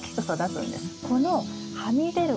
このはみ出る